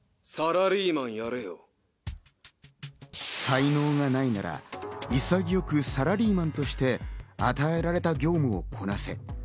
才能がないなら潔くサラリーマンとして与えられた業務をこなせ。